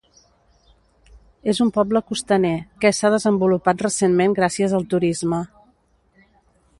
És un poble costaner, què s'ha desenvolupat recentment gràcies al turisme.